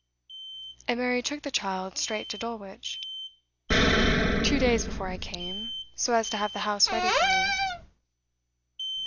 'And Mary took the child straight to Dulwich?' 'Two days before I came, so as to have the house ready for me.